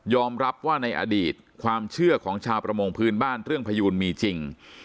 รับว่าในอดีตความเชื่อของชาวประมงพื้นบ้านเรื่องพยูนมีจริง